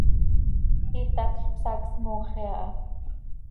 Itacl psaac smooxi aha.